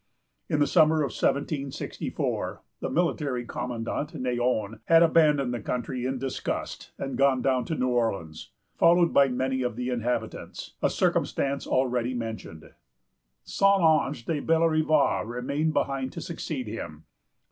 In the summer of 1764, the military commandant, Neyon, had abandoned the country in disgust, and gone down to New Orleans, followed by many of the inhabitants; a circumstance already mentioned. St. Ange de Bellerive remained behind to succeed him.